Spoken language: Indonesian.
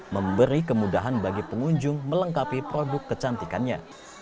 memberi kemudahan bagi pengunjung melengkapi produk kecantikannya